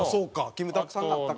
キムタクさんがあったか。